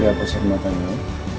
ya aku seru matanya